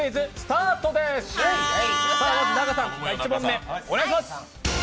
さあまず仲さん、１問目お願いします。